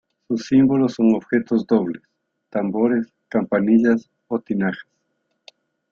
Sus símbolos son objetos dobles: tambores, campanillas o tinajas.